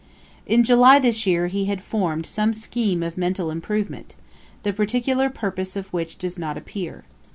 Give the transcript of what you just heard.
] In July this year he had formed some scheme of mental improvement, the particular purpose of which does not appear.